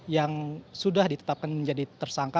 yang sudah ditetapkan menjadi tersangka